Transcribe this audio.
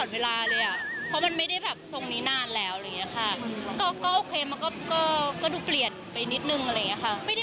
ไม่อย่างนี้ค่ะสร้างเป็นวันได้อยู่กับเพื่อนบ้าง